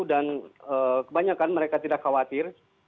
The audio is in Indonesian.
dan kebanyakan mereka tidak khawatir